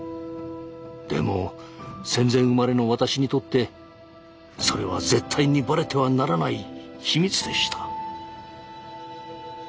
でも戦前生まれの私にとってそれは絶対にバレてはならない秘密でした。